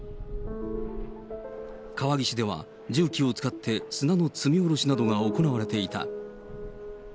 川岸では重機を使って、砂の積み下ろしなどが行われていた。